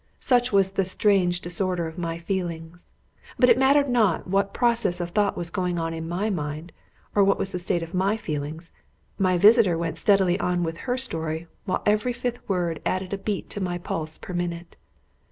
Such was the strange disorder of my feelings! But it mattered not what process of thought was going on in my mind, or what was the state of my feelings; my visitor went steadily on with her story, while every fifth word added a beat to my pulse per minute.